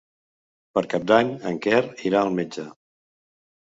Per Cap d'Any en Quer irà al metge.